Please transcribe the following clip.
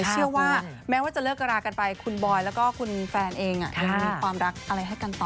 เชื่อว่าแม้ว่าจะเลิกรากันไปคุณบอยแล้วก็คุณแฟนเองยังมีความรักอะไรให้กันต่อ